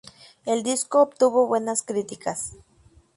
El disco obtuvo buenas críticas.